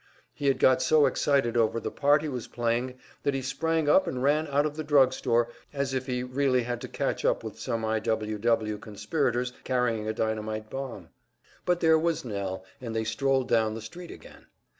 He had got so excited over the part he was playing that he sprang up and ran out of the drug store, as if he really had to catch up with some I. W. W. conspirators carrying a dynamite bomb! But there was Nell, and they strolled down the street again.